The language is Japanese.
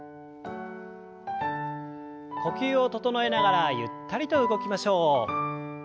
呼吸を整えながらゆったりと動きましょう。